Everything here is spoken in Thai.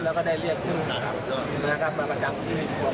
แล้วก็ได้เรียกผู้กรรมมาประจำที่หัวข้อประสงค์นะครับ